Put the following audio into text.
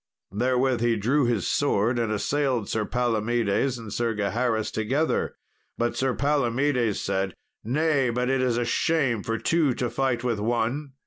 Therewith he drew his sword and assailed Sir Palomedes and Sir Gaheris together; but Sir Palomedes said, "Nay, but it is a shame for two to fight with one."